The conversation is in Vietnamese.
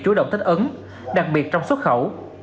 chủ động thích ấn đặc biệt trong xuất khẩu